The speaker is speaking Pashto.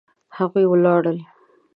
هغوی ولاړل